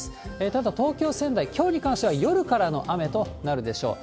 ただ、東京、仙台はきょうに関しては、夜からの雨となるでしょう。